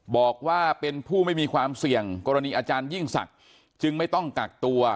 บอกว่าเป็นผู้ไม่มีความเสี่ยงกรณีอาจารยิ่งศักดิ์จึงไม่ต้องกักตัว